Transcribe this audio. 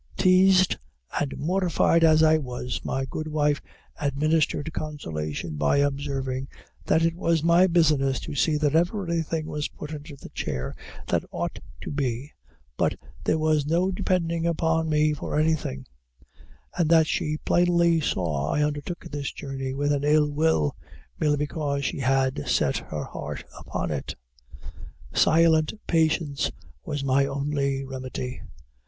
Teased and mortified as I was, my good wife administered consolation by observing, "That it was my business to see that everything was put into the chair that ought to be, but there was no depending upon me for anything; and that she plainly saw I undertook this journey with an ill will, merely because she had set her heart upon it." Silent patience was my only remedy.